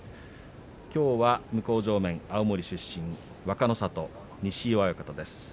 きょうは向こう正面は青森出身若の里の西岩親方です。